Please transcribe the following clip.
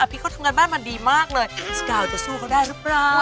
พี่เขาทำงานบ้านมาดีมากเลยสกาวจะสู้เขาได้หรือเปล่า